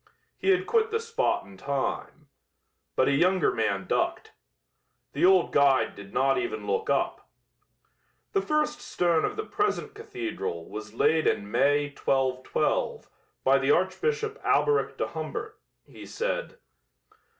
He had quit the spot in time. But a younger man ducked. The old guide did not even look up. "The first stone of the present cathedral was laid in May, 1212, by the Archbishop Alberic de Humbert," he said.